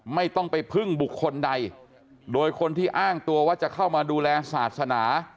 ไม่ต้องไปพึ่งบุคคลใดโดยคนที่อ้างตัวว่าจะเข้ามาดูแลศาสนา